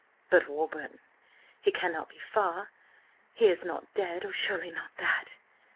"But, Warburton, he cannot be far? He is not dead! Oh, surely not that?"